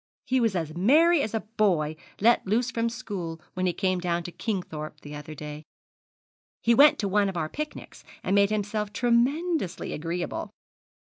He was as merry as a boy let loose from school when he came down to Kingthorpe the other day. He went to one of our picnics, and made himself tremendously agreeable.